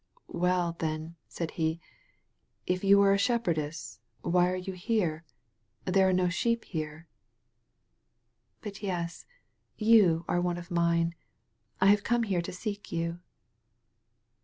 "Well, then," said he, " if you are a shepherdess, why are you here ? There are no sheep here." "But yes. You are one of mme. I have come here to seek you."